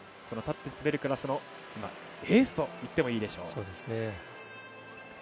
立って滑るクラスのエースといってもいいでしょう。